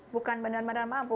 bukan benar benar mampu